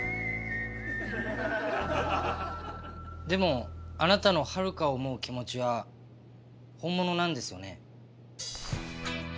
でもあなたのはるかを思う気持ちは本物なんですよね？